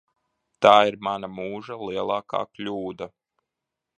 Tā ir mana mūža lielākā kļūda.